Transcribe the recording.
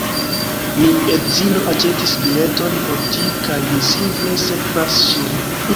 Mi edzino aĉetis bileton por ĝi kaj mi simple sekvas ŝin